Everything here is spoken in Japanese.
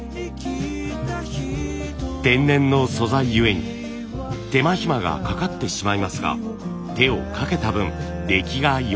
天然の素材ゆえに手間暇がかかってしまいますが手をかけた分出来が良くなる。